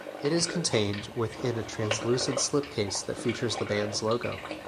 It is contained within a translucent slipcase that features the band's logo.